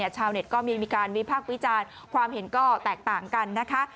ชาวเน็ตก็มีการวิพากษ์วิจารณ์ความเห็นก็แตกต่างกันนะคะ